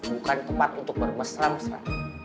bukan tempat untuk bermesra mesra